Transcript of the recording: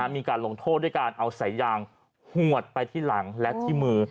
มีการลงโทษด้วยการเอาสายยางหวดไปที่หลังและที่มือ